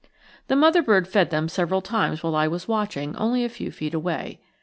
The mother bird fed them several times when I was watching only a few feet away.